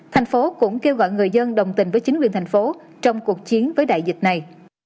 thành phố cũng kêu gọi người dân đồng tình với chính quyền thành phố trong cuộc chiến với đại dịch này